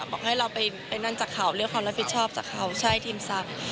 บอกให้เราไปนั่นจากเขาเลือกความรับผิดชอบจากเขาใช่ทีมทรัพย์